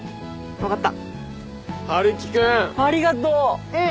分かった。